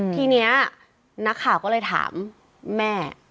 ทีนี้นักข่าวก็เลยถามแม่